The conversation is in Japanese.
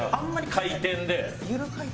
回転で。